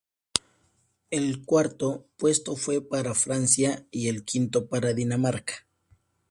El cuarto puesto fue para Francia y el quinto para Dinamarca.